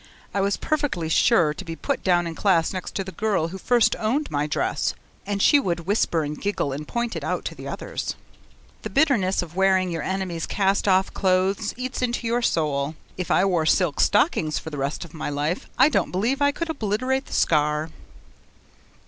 I was perfectly sure to be put down in class next to the girl who first owned my dress, and she would whisper and giggle and point it out to the others. The bitterness of wearing your enemies' cast off clothes eats into your soul. If I wore silk stockings for the rest of my life, I don't believe I could obliterate the scar.